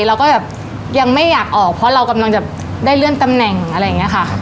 เราก็แบบยังไม่อยากออกเพราะเรากำลังจะได้เลื่อนตำแหน่งอะไรอย่างนี้ค่ะ